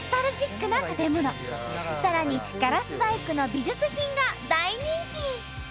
さらにガラス細工の美術品が大人気！